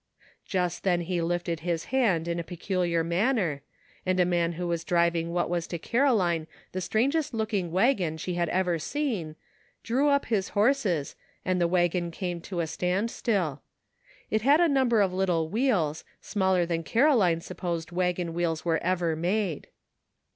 Just then he lifted his hand in a peculiar manner, and a man who was driving what was to Caro line the strangest looking wagon she had ever seen, drew up his horses and the wagon came to a stand still. It had a number of little wheels, smaller than Caroline supposed wagon wheels were ever made.